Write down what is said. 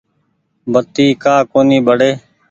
بتي ڪآ ڪونيٚ ٻڙي ۔